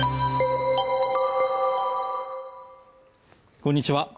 こんにちは